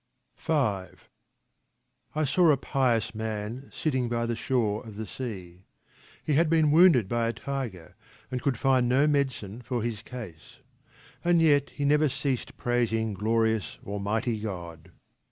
V I saw a pious man sitting by the shore of the sea. He had been wounded by a tiger, and could find no medicine for his case. And yet he never ceased praising glorious Almighty God.